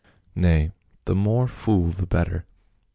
" Nay, the more fool the better.